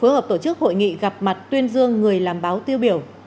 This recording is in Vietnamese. hội nghị gặp mặt tuyên dương người làm báo tiêu biểu